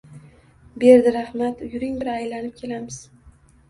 – Berdirahmat, yuring bir aylanib kelamiz.